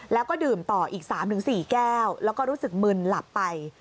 แล้วก็ดื่มต่ออีก๓๔แก้วแล้วก็รู้สึกมึนหลับไป